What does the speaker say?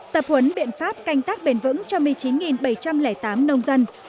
tập huấn biện pháp canh tác bền vững cho một mươi chín bảy trăm linh tám nông dân